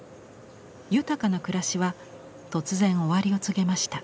豊かな暮らしは突然終わりを告げました。